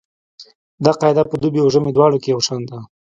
دا قاعده په دوبي او ژمي دواړو کې یو شان ده